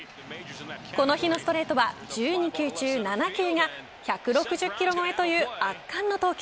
この日のストレートは１２球中７球が１６０キロ超えという圧巻の投球。